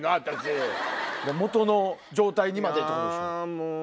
元の状態にまでってことでしょ。